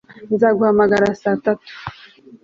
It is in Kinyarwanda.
Nzaguhamagara saa tatu